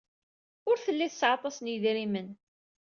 Ur telli tesɛa aṭas n yedrimen.